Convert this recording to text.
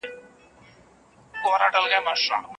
که ماشوم بیا ننوځي، انا به ورته غېږه ورکړي.